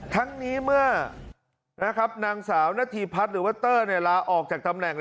ทั้งนี้เมื่อนางสาวนาธิพัฒน์หรือว่าเตอร์ลาออกจากตำแหน่ง